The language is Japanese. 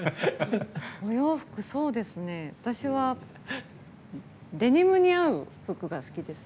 お洋服、私はデニムに合う服が好きです。